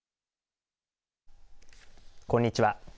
こんにちは。